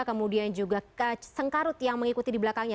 kemudian juga sengkarut yang mengikuti di belakangnya